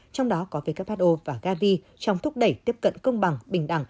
trong đó có who và gavi trong thúc đẩy tiếp cận công bằng bình đẳng